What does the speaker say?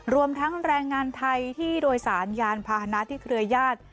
รวมทั้งแรงงานไทยที่โดยสารยานพาหนะที่เครือญาติ